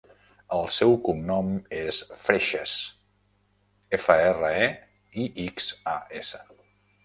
El seu cognom és Freixas: efa, erra, e, i, ics, a, essa.